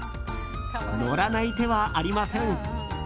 乗らない手はありません。